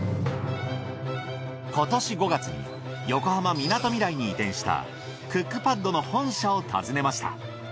今年５月に横浜みなとみらいに移転したクックパッドの本社を訪ねました。